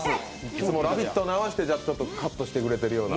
今日は「ラヴィット！」に合わせてカットしてくれてるような？